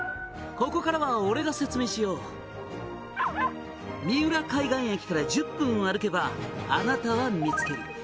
「ここからは俺が説明しよう」「三浦海岸駅から１０分歩けばあなたは見つける」